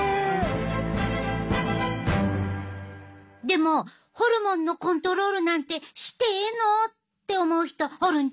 でもホルモンのコントロールなんてしてええの？って思う人おるんちゃう？